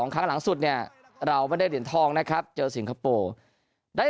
ครั้งหลังสุดเนี่ยเราไม่ได้เหรียญทองนะครับเจอสิงคโปร์ได้